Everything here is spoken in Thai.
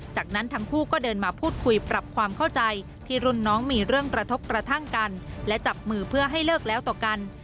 จากนั้นทั้งคู่ก็เดินมาพูดคุยปรับความเข้าใจที่รุ่นน้องมีเรื่องกระทบกระทั่งกันและจับมือเพื่อให้เลิกแล้วต่อกัน